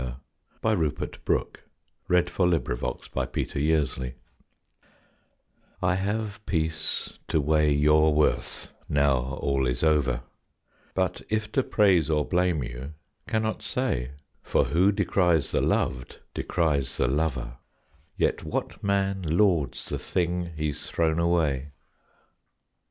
HE WONDERS WHETHER TO PRAISE OR TO BLAME HER I have peace to weigh your worth, now all is over, But if to praise or blame you, cannot say. For, who decries the loved, decries the lover; Yet what man lauds the thing he's thrown away?